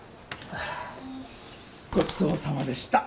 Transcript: ごちそうさまでした。